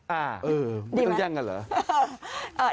ไม่ต้องแย่งกันเหรอ